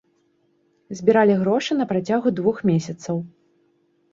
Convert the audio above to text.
Збіралі грошы на працягу двух месяцаў.